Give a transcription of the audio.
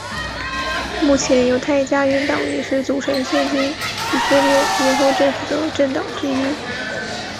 目前犹太家园党也是组成现今以色列联合政府的政党之一。